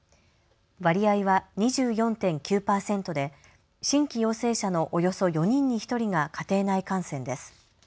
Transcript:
割合は２４．９％で新規陽性者のおよそ４人に１人が家庭内感染です。